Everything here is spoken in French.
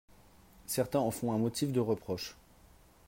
Certains en font un motif de reproche.